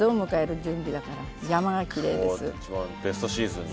一番ベストシーズンに。